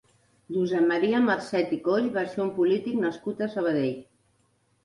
Josep Maria Marcet i Coll va ser un polític nascut a Sabadell.